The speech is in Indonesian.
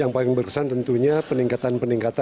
yang paling berkesan tentunya peningkatan peningkatan